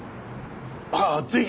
ああぜひ！